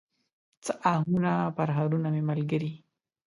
څه آهونه، پرهرونه مې ملګري